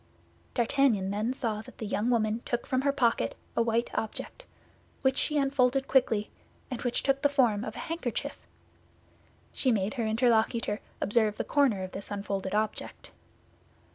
D'Artagnan then saw that the young woman took from her pocket a white object, which she unfolded quickly, and which took the form of a handkerchief. She made her interlocutor observe the corner of this unfolded object.